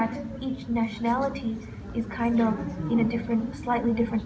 jadi di bagian satu jalan ada satu kota dan yang lainnya adalah bangladesh